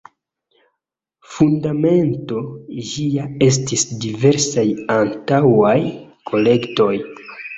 Fundamento ĝia estis diversaj antaŭaj kolektoj.